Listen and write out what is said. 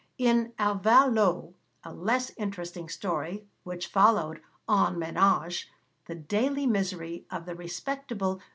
In A Vau l'Eau, a less interesting story which followed En Ménage, the daily misery of the respectable M.